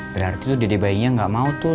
berarti tuh dede bayinya gak mau tuh